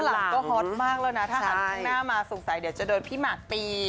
ฮดก็ฮอตมากนะถ่างข้างหน้ามาอมาสงสัยเดี๋ยวจะเดินพี่มาตี